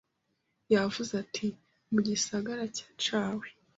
Yavuze ati Mu gisagara cawe